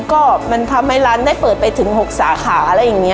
ก็มันทำให้ร้านได้เปิดไปถึง๖สาขา